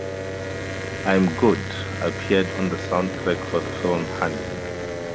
"I'm Good" appeared on the soundtrack for the film "Honey".